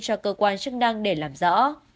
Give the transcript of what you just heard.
cho cơ quan chức năng để làm rõ